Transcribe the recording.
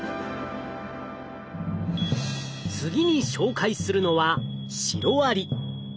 次に紹介するのはシロアリ。